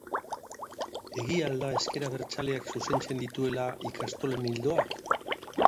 Egia al da ezker abertzaleak zuzentzen dituela ikastolen ildoak?